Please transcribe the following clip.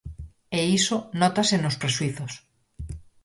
E iso nótase nos prexuízos.